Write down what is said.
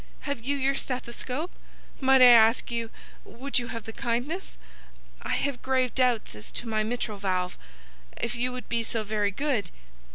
"Have you your stethoscope? Might I ask you—would you have the kindness? I have grave doubts as to my mitral valve, if you would be so very good.